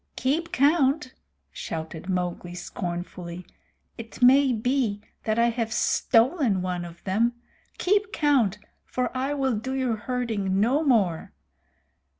"Keep count!" shouted Mowgli scornfully. "It may be that I have stolen one of them. Keep count, for I will do your herding no more.